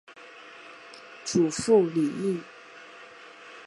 祖父李毅。